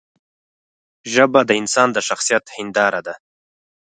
ژبه د انسان د شخصیت هنداره ده